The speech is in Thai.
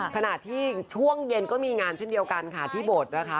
ขณะที่ช่วงเย็นก็มีงานเช่นเดียวกันค่ะที่บทนะคะ